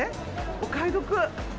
お買い得。